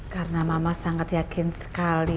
karena mama sangat yakin sekali